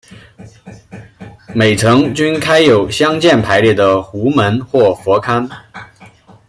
每层均开有相间排列的壸门或佛龛。